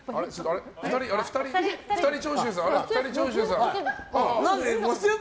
２人、長州さん？